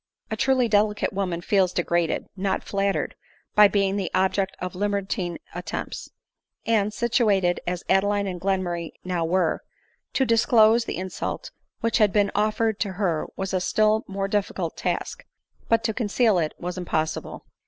A truly delicate woman feels degraded, not flattered, by being the object of libertine attempts ; and, situated as Adeline and Glenmurray now were, to disclose the insult which had been offered to her was a* still more difficult task ; but to conceal it was impossible.